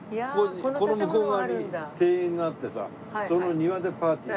この向こう側に庭園があってさその庭でパーティーを。